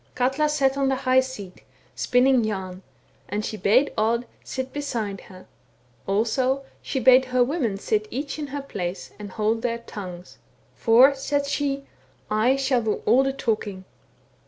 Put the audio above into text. *' Katla sat on the high seat spinning yam, and she bade Odd sit beside her ; also, she bade her women sit each in her place, and hold their tongues. * For,' said she, * I shall do all the talking.'